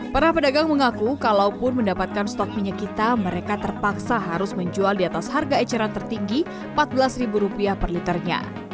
para pedagang mengaku kalaupun mendapatkan stok minyak kita mereka terpaksa harus menjual di atas harga eceran tertinggi rp empat belas per liternya